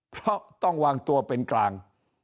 เพราะต้องวางตัวเป็นกลาง